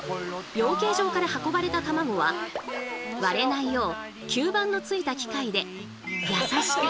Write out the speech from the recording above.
養鶏場から運ばれたたまごは割れないよう吸盤のついた機械で優しく！